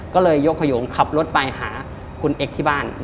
ก็เลยยกขยงขับรถไปหาคุณเอ็กซ์ที่บ้าน